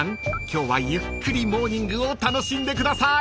今日はゆっくりモーニングを楽しんでください］